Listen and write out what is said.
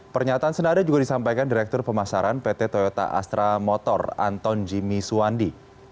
pernyataan senada juga disampaikan direktur pemasaran pt toyota astra motor anton jimmy suwandi